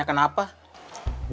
bikin teh panas manis